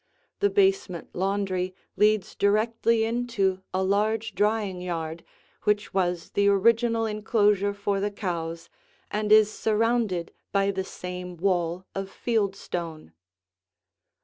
The basement laundry leads directly into a large drying yard which was the original enclosure for the cows and is surrounded by the same wall of field stone.